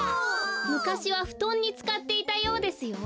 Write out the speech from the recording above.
むかしはふとんにつかっていたようですよ。